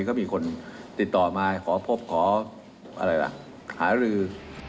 ก็มีคนติดต่อมาขอพบขออะไรล่ะหารือ